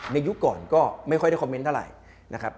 ยุคก่อนก็ไม่ค่อยได้คอมเมนต์เท่าไหร่นะครับ